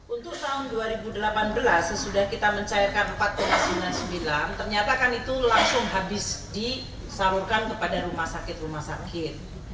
untuk tahun dua ribu delapan belas sesudah kita mencairkan empat sembilan puluh sembilan ternyata kan itu langsung habis disalurkan kepada rumah sakit rumah sakit